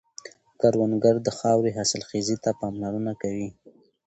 کروندګر د خاورې حاصلخېزي ته پاملرنه کوي